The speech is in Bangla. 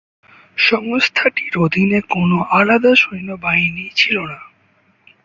সংস্থাটির অধীনে কোন আলাদা সৈন্যবাহিনী ছিল না।